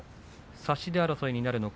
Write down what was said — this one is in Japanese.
差し手争いになるのか。